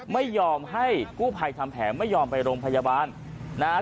ไม่ยอมให้กู้ภัยทำแผลไม่ยอมไปโรงพยาบาลนะฮะ